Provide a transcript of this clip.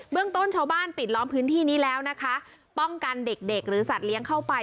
เรื่องต้นชาวบ้านปิดล้อมพื้นที่นี้แล้วนะคะป้องกันเด็กเด็กหรือสัตว์เลี้ยงเข้าไป